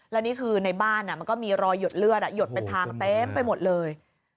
แล้วนี่คือในบ้านมันก็มีรอยหยดเลือดหยดเป็นทางเต็มไปหมดเลย